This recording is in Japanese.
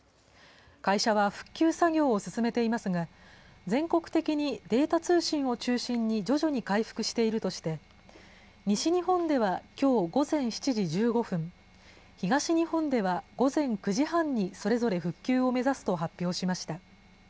会社は復旧作業を進めていますが、全国的にデータ通信を中心に徐々に回復しているとして、西日本ではきょう午前７時１５分、東日本では午前９時半に、それぞれ復旧を目指すと発表しました。